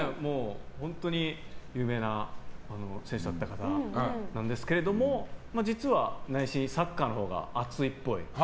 本当に有名な選手だった方なんですけども実は内心サッカーのほうが熱いっぽい。